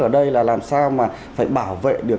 ở đây là làm sao mà phải bảo vệ được